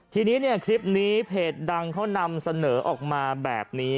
ทีนี้เนี่ยคลิปนี้เพจดังเขานำเสนอออกมาแบบนี้